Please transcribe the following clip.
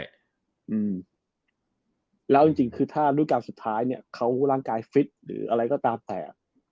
อืมแล้วจริงจริงคือถ้ารูปการณ์สุดท้ายเนี้ยเขาร่างกายฟิตหรืออะไรก็ตามแต่